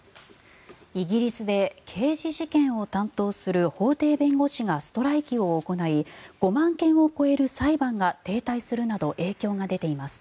イギリスで刑事事件を担当する法廷弁護士がストライキを行い５万件を超える裁判が停滞するなど影響が出ています。